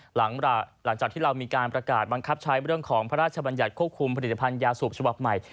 หลังจากที่เรามีการประกาศบังคับใช้เรื่องของพระราชบัญญัติควบคุมผลิตภัณฑ์ยาสูบฉบับใหม่